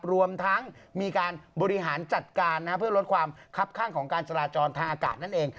รวมทั้งมีการบริหารจัดการเพื่อลดความคับข้างของการจราจรทางอากาศนั่นเอง